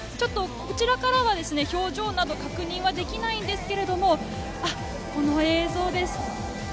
こちらからは表情など確認はできないんですけれども、この映像です。